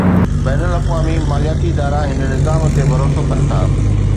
بين الاقوامي مالياتي ادارا هن نظام تي ڀروسو ڪن ٿا.